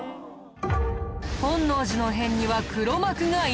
本能寺の変には黒幕がいたのか？